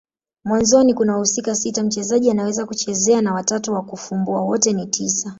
Mwanzoni kuna wahusika sita mchezaji anaweza kuchezea na watatu wa kufumbua. Wote ni tisa.